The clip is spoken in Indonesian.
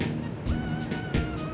tidak ada yang bisa dihukum